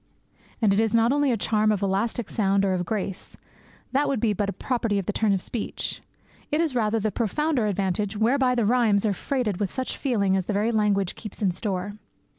And it is not only a charm of elastic sound or of grace; that would be but a property of the turn of speech. It is rather the profounder advantage whereby the rhymes are freighted with such feeling as the very language keeps in store.